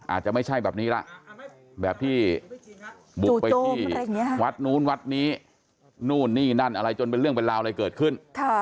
อาจจะไม่ใช่แบบนี้ล่ะแบบที่บุกไปที่วัดนู้นวัดนี้นู่นนี่นั่นอะไรจนเป็นเรื่องเป็นราวอะไรเกิดขึ้น